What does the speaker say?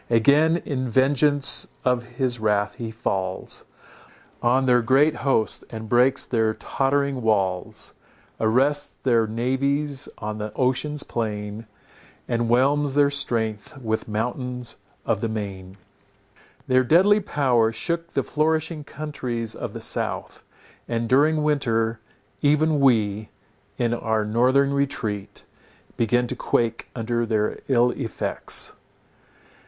Again in vengeance of his wrath he falls On their great hosts, and breaks their tottering walls; Arrests their navies on the ocean's plain, And whelms their strength with mountains of the main. Their deadly power shook the flourishing countries of the south, and during winter, even, we, in our northern retreat, began to quake under their ill effects.